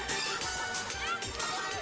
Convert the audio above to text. kau yang ngapain